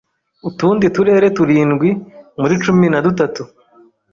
Utundi turere turindwi muri cumi na dutatu